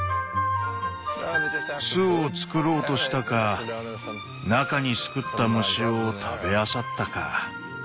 巣をつくろうとしたか中に巣くった虫を食べあさったか。